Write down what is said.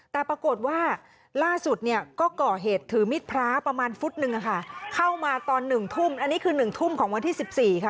แต่ปรากฏว่าล่าสุดเนี่ยก็ก่อเหตุถือมิดพระประมาณฟุตหนึ่งอะค่ะเข้ามาตอน๑ทุ่มอันนี้คือ๑ทุ่มของวันที่๑๔ค่ะ